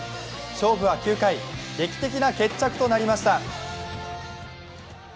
勝負は９回、劇的な決着となりました。